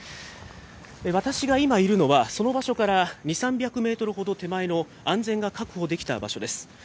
私が今いるのは、その場所から２、３００メートルほど手前の安全が確保できた場所です。